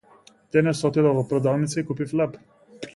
Денес отидов во продавница и купив леб.